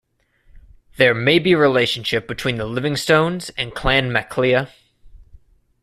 There may be a relationship between the Livingstones and Clan MacLea.